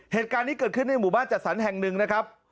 เหตุการณ์นี้เกิดขึ้นในหมู่บ้านจัดสรรแห่งหนึ่งนะครับ